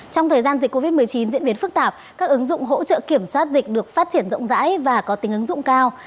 trong thời gian dịch covid một mươi chín diễn biến phức tạp các ứng dụng hỗ trợ kiểm soát dịch được phát triển rộng rãi và có tính ứng dụng cao